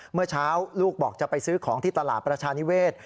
เมื่อเช้าลูกบอกจะไปซื้อของที่ตลาดประชานิเวศ